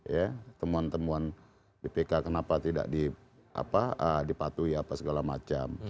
ya temuan teman di pk kenapa tidak di apa dipatuhi apa segala macam